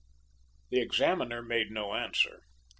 The examiner made no answer.